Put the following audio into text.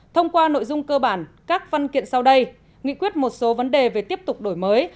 thông qua nội dung cơ bản các văn kiện sau đây nghị quyết một số vấn đề về tiếp tục đổi mới